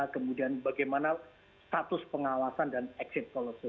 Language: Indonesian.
kemudian bagaimana status pengawasan dan exit policy